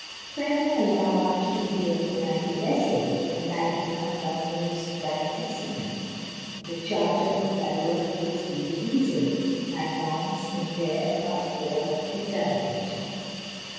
Farewell, thou art too dear for my possessiiig. And like enough thou knowest thine estimate. The charter of thy worth gives thee releasing; My bonds in thee are all determinate.